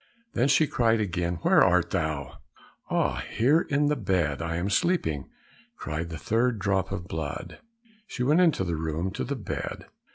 Then she cried again, "Where art thou?" "Ah, here in the bed, I am sleeping." cried the third drop of blood. She went into the room to the bed.